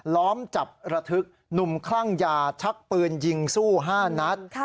ล้อมจับระทึกหนุ่มคลั่งยาชักปืนยิงสู้๕นัด